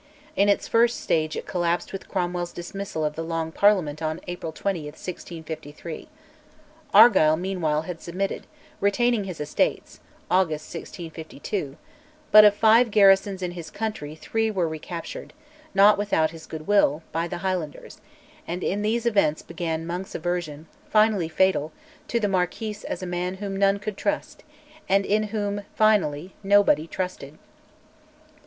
In its first stage it collapsed with Cromwell's dismissal of the Long Parliament on April 20, 1653. Argyll meanwhile had submitted, retaining his estates (August 1652); but of five garrisons in his country three were recaptured, not without his goodwill, by the Highlanders; and in these events began Monk's aversion, finally fatal, to the Marquis as a man whom none could trust, and in whom finally nobody trusted.